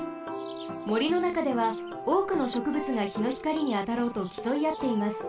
もりのなかではおおくのしょくぶつがひのひかりにあたろうときそいあっています。